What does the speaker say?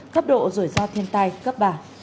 cấp độ rủi ro thiên tai cấp ba